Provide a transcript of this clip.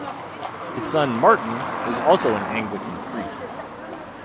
His son, Martin, was also an Anglican priest.